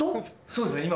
そうですね。